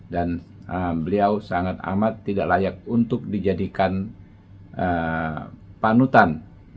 dan beliau sangat amat tidak layak untuk dijadikan panutan